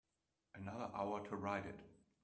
Another hour to write it.